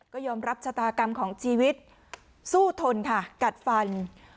ก็ยอมรับชะตากรรมของชีวิตสู้ทนค่ะกัดฟัน